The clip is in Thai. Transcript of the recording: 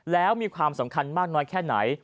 แล้วมีความสำคัญมากน้อยแค่ไหน